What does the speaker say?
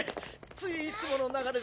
ついいつもの流れで。